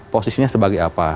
posisinya sebagai apa